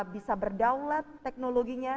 bisa berdaulat teknologinya